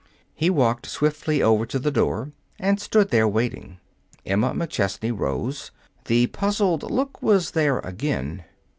He walked swiftly over to the door and stood there waiting. Emma McChesney rose. The puzzled look was there again.